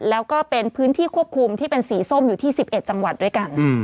แล้วก็เป็นพื้นที่ควบคุมที่เป็นสีส้มอยู่ที่๑๑จังหวัดด้วยกัน